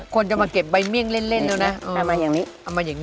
คนจะมาเก็บใบเมี่ยงเล่น